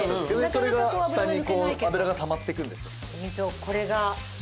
それが下にこう脂がたまっていくんです。